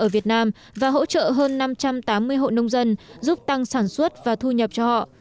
và hỗ trợ hơn năm trăm tám mươi hộ nông dân giúp tăng sản xuất và thu nhập cho họ